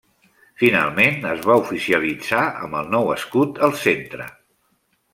Finalment, es va oficialitzar amb el nou escut al centre.